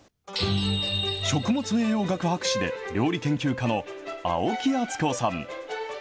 食物栄養学博士で、料理研究家の青木敦子さん。